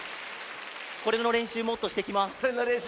これのれんしゅうもっとしてきます。